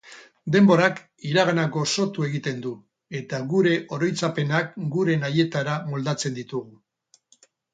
Denborak iragana gozotu egiten du, eta gure oroitzapenak gure nahietara moldatzen ditugu.